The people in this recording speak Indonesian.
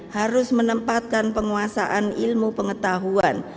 harus menempatkan penguasaan ilmu pengetahuan